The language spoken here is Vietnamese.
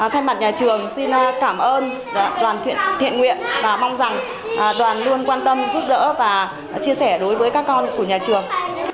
thay mặt nhà trường xin cảm ơn đoàn thiện nguyện và mong rằng đoàn luôn quan tâm giúp đỡ và chia sẻ đối với các con của nhà trường